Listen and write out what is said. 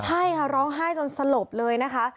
ใช่ค่ะร้องไห้จนสลบเลยนะคะ